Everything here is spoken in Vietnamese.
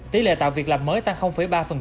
tỷ lệ tạo việc làm mới tăng ba